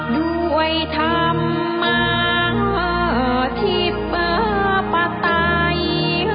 ด้วยธรรมะที่เปอร์ปไตย